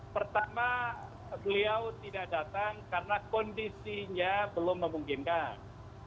pertama beliau tidak datang karena kondisinya belum memungkinkan